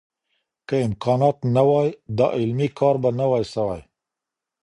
که امکانات نه وای، دا علمي کار به نه و سوی.